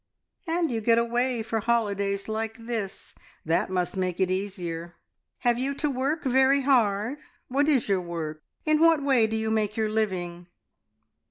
"And you get away for holidays like this. That must make it easier. Have you to work very hard? What is your work? In what way do you make your living?"